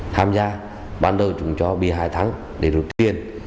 tham gia ban đầu chúng cho bìa hải thắng để rút tiền